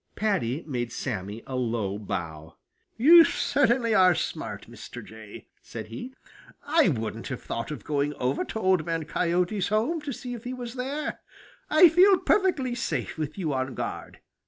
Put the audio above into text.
Paddy made Sammy a low bow. "You certainly are smart, Mr. Jay," said he. "I wouldn't have thought of going over to Old Man Coyote's home to see if he was there. I'll feel perfectly safe with you on guard.